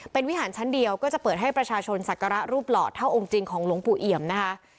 เป็นวิหารชั้นเดียวก็จะเปิดให้ประชาชนศักระรูปหล่อเท่าองค์จริงของหลวงปู่เอี่ยมนะคะ